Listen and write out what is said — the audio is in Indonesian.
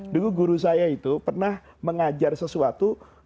dulu guru saya itu pernah mengajar sesuatu